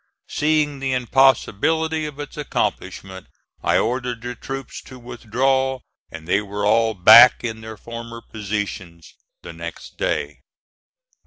Seeing the impossibility of its accomplishment I ordered the troops to withdraw, and they were all back in their former positions the next day.